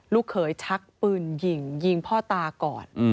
ลูกเขยชักปืนยิงยิงพ่อตาก่อน